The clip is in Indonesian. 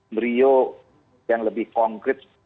brio yang lebih konkret